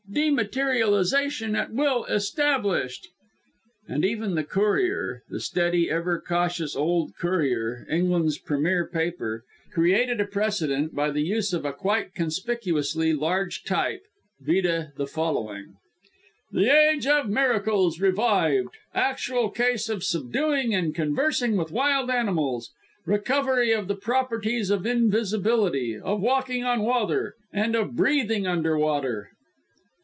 DEMATERIALIZATION AT WILL ESTABLISHED!" And even the Courier the steady, ever cautious old Courier, England's premier paper, created a precedent by the use of a quite conspicuously large type; vide the following "THE AGE OF MIRACLES REVIVED! ACTUAL CASE OF SUBDUING AND CONVERSING WITH WILD ANIMALS. RECOVERY OF THE PROPERTIES OF INVISIBILITY; OF WALKING ON WATER, AND OF BREATHING UNDER WATER."